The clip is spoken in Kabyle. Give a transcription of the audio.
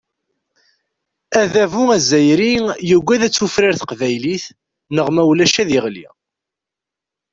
Adabu azzayri yugad ad tufrar teqbaylit, neɣ ma ulac ad yeɣli.